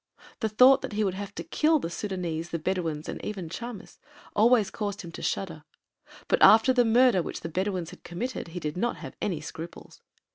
The thought that he would have to kill the Sudânese, the Bedouins, and even Chamis, always caused him to shudder, but after the murder which the Bedouins had committed, he did not have any scruples.